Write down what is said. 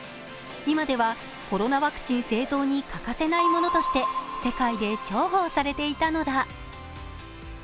今ではコロナワクチン製造に欠かせないものとして世界で重宝されていたのだ。